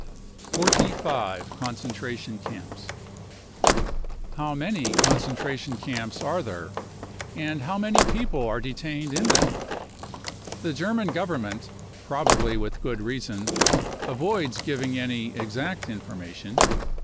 Forty Five Concentration Camps. How many concen tration camps are there, and how many people are detained in them ? The German Government, probably with good reason, avoids giving any exact information.